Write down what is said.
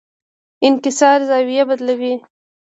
انکسار زاویه بدلوي.